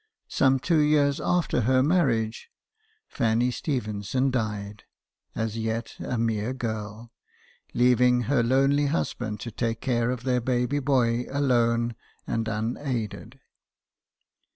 Some two years after her marriage, Fanny Stephenson died, as yet a mere girl, leaving her lonely husband to take care of their baby boy alone and unaided.